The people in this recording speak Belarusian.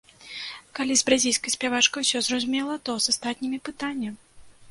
Калі з бразільскай спявачкай усё зразумела, то з астатнімі пытанне.